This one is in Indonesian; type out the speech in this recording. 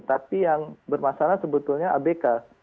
tapi yang bermasalah sebetulnya abk